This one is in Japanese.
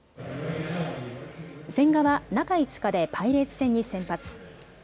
千賀は中５日でパイレーツ戦に先発。